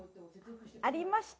ありました。